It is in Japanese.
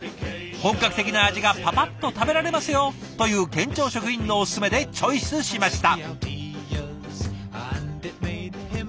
本格的な味がパパッと食べられますよ！という県庁職員のおすすめでチョイスしました。